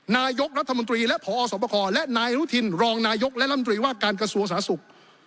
นายกรัฐมนตรีและพอสวบคและนายอนุทินรองนายกและรัฐมนตรีว่าการกระทรวงสาธารณสุข